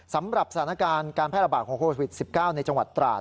สำหรับสถานการณ์การแพร่ระบาดของโควิด๑๙ในจังหวัดตราด